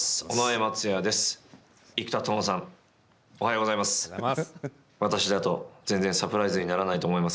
おはようございます。